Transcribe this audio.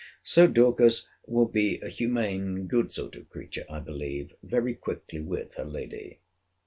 So Dorcas will be a humane, good sort of creature, I believe, very quickly with her lady.